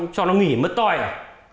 cho nó nghỉ mất tôi à